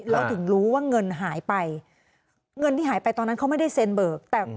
เราถึงรู้ว่าเงินหายไปเงินที่หายไปตอนนั้นเขาไม่ได้เซ็นเบิกแต่